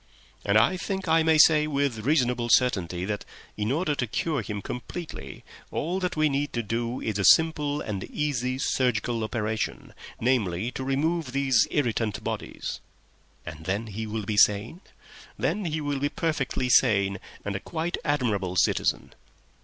"And I think I may say with reasonable certainty that, in order to cure him complete, all that we need to do is a simple and easy surgical operation—namely, to remove these irritant bodies." "And then he will be sane?" "Then he will be perfectly sane, and a quite admirable citizen."